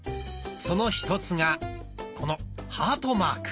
その一つがこのハートマーク。